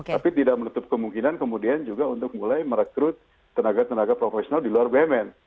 tapi tidak menutup kemungkinan kemudian juga untuk mulai merekrut tenaga tenaga profesional di luar bumn